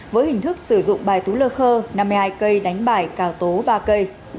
với hình thức sử dụng bài tú lơ khơ năm mươi hai cây đánh bài cào tố ba cây